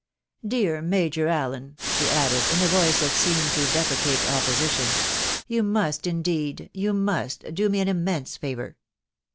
te Dear Major Allen !" she added, in a voice that seemed to deprecate opposition, u you must, indeed you must, do me an immense favour.